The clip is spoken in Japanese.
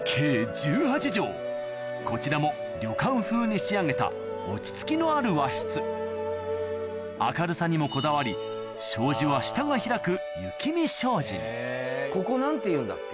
こちらも旅館風に仕上げた落ち着きのある和室明るさにもこだわり障子は下が開くここ何ていうんだっけ？